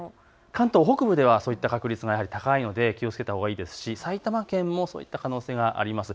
関東北部ではそういった確率が高いので気をつけたほうがいいですし埼玉県もそういった可能性があります。